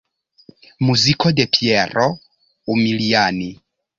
Muziko de Piero Umiliani.